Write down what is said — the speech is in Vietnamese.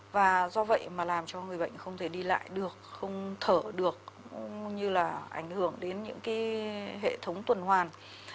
và do vậy mà làm cho người bệnh không thể đi lại được không thở được như là ảnh hưởng đến những cái hệ thống tuần hoàn